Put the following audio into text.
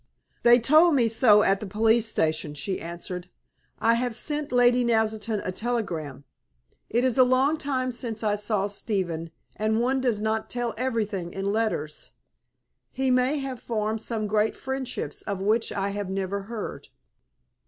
"They told me so at the police station," she answered. "I have sent Lady Naselton a telegram. It is a long time since I saw Stephen, and one does not tell everything in letters. He may have formed great friendships of which I have never heard."